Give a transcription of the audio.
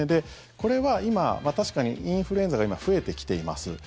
これは今確かにインフルエンザが増えてきています。